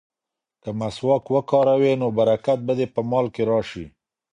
که مسواک وکاروې نو برکت به دې په مال کې راشي.